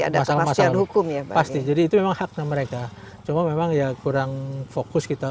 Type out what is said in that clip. ada sama sel hukum yang pasti jadi itu memang haknya mereka cuma memang ya kurang fokus kita